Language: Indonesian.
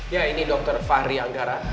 ya ini dokter fahri anggara